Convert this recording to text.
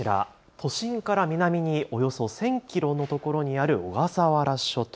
都心から南におよそ１０００キロのところにある小笠原諸島。